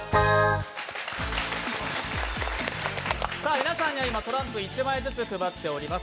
皆さんには今、トランプ１枚ずつ配っております。